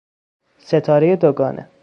ستارهی دوگانه